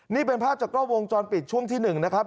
นี่เป็นภาพจากกล้องวงจรปิดช่วงที่๑นะครับ